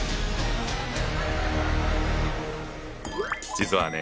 実はね